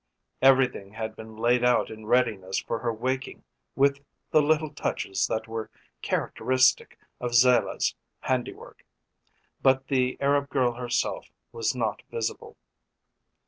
Everything had been laid out in readiness for her waking with the little touches that were characteristic of Zilah's handiwork, but the Arab girl herself was not visible.